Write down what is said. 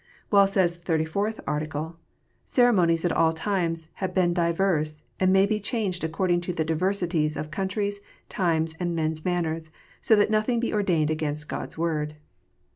Well says the Thirty fourth Article: " Ceremonies at all times have been divers, and may be changed according to the diversities of countries, times, and men s manners, so that nothing be ordained against God s Word."